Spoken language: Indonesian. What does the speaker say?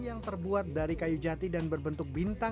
iya sengaja lagi liburan juga masih liburan